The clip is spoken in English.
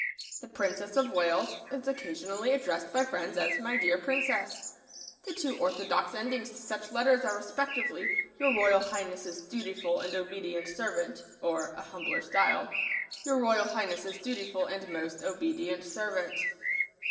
The Princess of Wales is occasionally addressed by friends as "My dear Princess." The two orthodox endings to such letters are respectively "Your Royal Highness's dutiful and obedient servant," or (a humbler style) "Your Royal Highness's dutiful and most obedient servant."